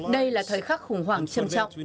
đây là thời khắc khủng hoảng châm trọng